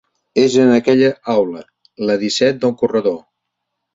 És en aquella aula, la disset del corredor.